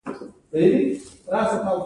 دا د لومړني وضعیت استعاره ده.